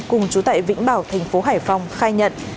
cùng trú tại vĩnh bảo tp hải phòng khai nhận